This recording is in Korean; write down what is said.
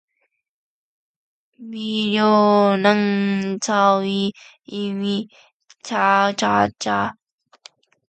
미련한 자의 입의 잠언은 술 취한 자의 손에 든 가시나무 같으니라